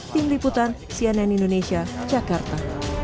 tim liputan cnn indonesia jakarta